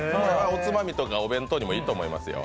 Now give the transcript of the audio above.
おつまみとかお弁当にもいいと思いますよ。